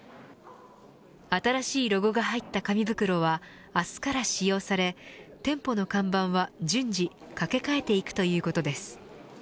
新しいロゴが入った紙袋は明日から使用され店舗の看板は順次掛け替えていくということです。